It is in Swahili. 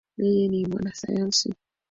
Yeye ni Mwanasayansi.